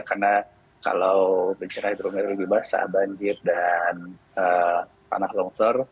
karena kalau bencana hidrometeorologi basah banjir dan panah longsor